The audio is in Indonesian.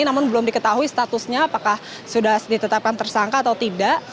namun belum diketahui statusnya apakah sudah ditetapkan tersangka atau tidak